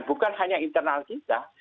bukan hanya internal kita